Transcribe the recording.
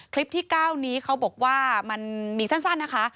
คลิปที่๙นี้เขาบอกว่ามันมีสั้นนะคะ